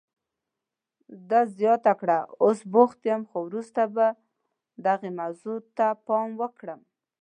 ده زیاته کړه، اوس بوخت یم، خو وروسته به دغې موضوع ته پام وکړم.